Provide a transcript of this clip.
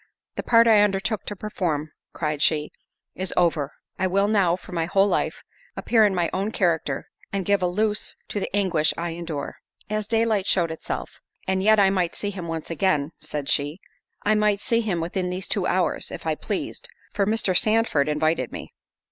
"The part I undertook to perform," cried she, "is over—I will now, for my whole life, appear in my own character, and give a loose to the anguish I endure." As daylight showed itself—"And yet I might see him once again," said she—"I might see him within these two hours, if I pleased, for Mr. Sandford invited me."